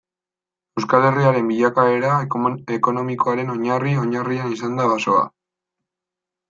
Euskal Herriaren bilakaera ekonomikoaren oinarri-oinarrian izan da basoa.